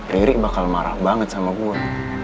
riri bakal marah banget sama gua